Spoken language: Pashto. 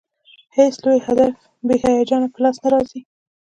هېڅ لوی هدف بې هیجانه په لاس نه راځي.